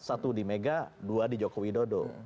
satu di mega dua di jokowi dodo